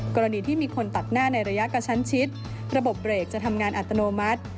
กรณีที่มีคนตัดหน้าในระยะกระชั้นชิดระบบเบรกจะทำงานอัตโนมัติ